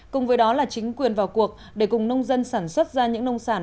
cùng với đó là chính quyền vào cuộc để cùng nông dân sản xuất ra những nông sản